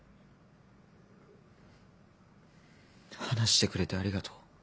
話してくれてありがとう。